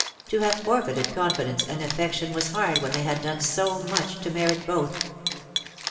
To have forfeited confidence and affection was hard when they had done so much to merit both.